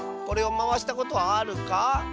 これをまわしたことはあるか？